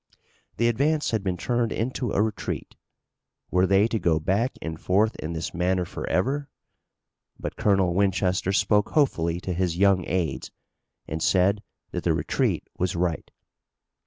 The advance had been turned into a retreat. Were they to go back and forth in this manner forever? But Colonel Winchester spoke hopefully to his young aides and said that the retreat was right.